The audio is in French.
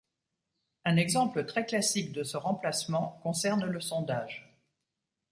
Un exemple très classique de ce remplacement concerne le sondage.